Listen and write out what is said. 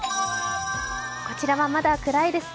こちらはまだ暗いですね。